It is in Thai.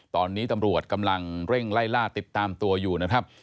ตอนนี้ตำรวจกำลังเร่งไล่ล่าติดตามตัวอยู่นะครับ